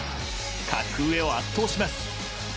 格上を圧倒します。